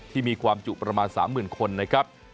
ที่มีความจุประมาณ๓๐๐๐คนนะครับ